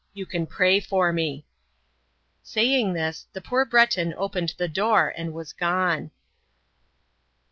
You can pray for me!" Saying this, the poor Breton opened the door and was gone.